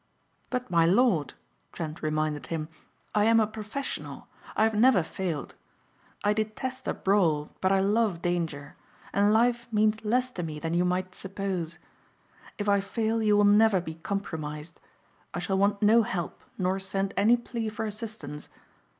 "But my lord," Trent reminded him, "I am a professional. I have never failed. I detest a brawl but I love danger, and life means less to me than you might suppose. If I fail you will never be compromised. I shall want no help nor send any plea for assistance.